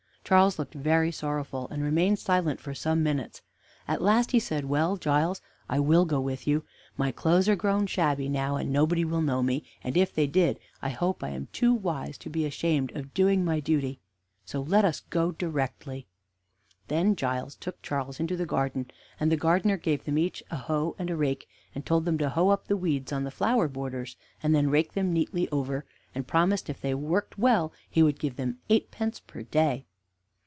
Charles looked very sorrowful, and remained silent for some minutes; at last he said: "Well, Giles, I will go with you; my clothes are grown shabby now, and nobody will know me, and if they did I hope I am too wise to be ashamed of doing my duty, so let us go directly." Then Giles took Charles into the garden, and the gardener gave them each a hoe and a rake, and told them to hoe up the weeds on the flower borders, and then rake them neatly over, and promised if they worked well he would give them eight pence per day.